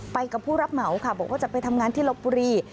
กับผู้รับเหมาค่ะบอกว่าจะไปทำงานที่ลบบุรี